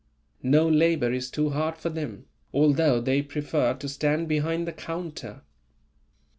No labour is too hard for them, although they prefer to stand behind the counter.